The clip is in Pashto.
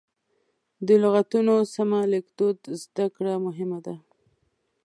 د لغتونو سمه لیکدود زده کړه مهمه ده.